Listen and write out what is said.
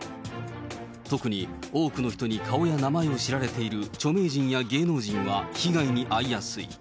特に、多くの人に顔や名前を知られている著名人や芸能人は被害に遭いやすい。